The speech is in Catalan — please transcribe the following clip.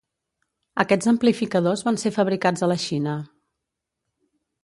Aquests amplificadors van ser fabricats a la Xina.